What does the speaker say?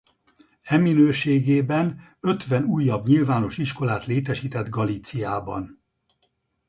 E minőségében ötven újabb nyilvános iskolát létesített Galíciában.